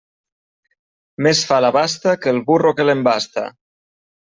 Més fa la basta que el burro que l'embasta.